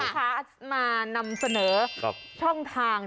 มานำเสนอช่องทาง